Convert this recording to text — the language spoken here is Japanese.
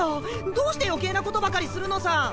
どうして余計なことばかりするのさ。